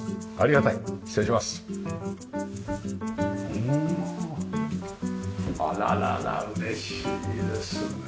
おおあららら嬉しいですね。